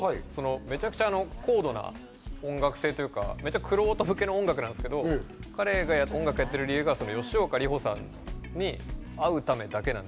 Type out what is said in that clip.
めちゃくちゃ高度な音楽性というか、玄人向けの音楽なんですけど、彼が音楽をやっている理由が吉岡里帆さんに会うためだけ。